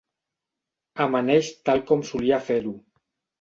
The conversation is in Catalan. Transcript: Amaneix tal com solia fer-ho.